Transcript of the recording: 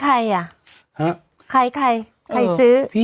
ใครใครซื้อ